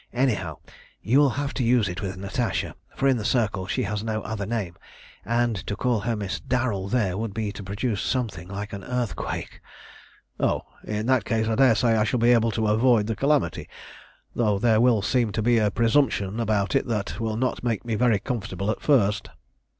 Anyhow, you will have to use it with Natasha, for in the Circle she has no other name, and to call her Miss Darrel there would be to produce something like an earthquake." "Oh, in that case, I daresay I shall be able to avoid the calamity, though there will seem to be a presumption about it that will not make me very comfortable at first."